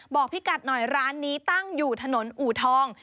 พี่กัดหน่อยร้านนี้ตั้งอยู่ถนนอูทอง